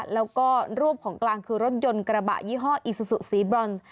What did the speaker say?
แล้วก็รูปของกลางคือรถยนต์กระบะยี่ห้ออีซูซูสีบรอน